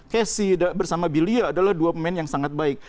kessi bersama bilia adalah dua pemain yang sangat baik